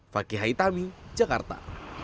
fakih haithami jakarta